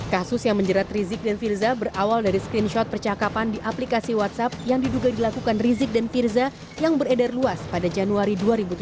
kasus yang menjerat rizik dan firza berawal dari screenshot percakapan di aplikasi whatsapp yang diduga dilakukan rizik dan firza yang beredar luas pada januari dua ribu tujuh belas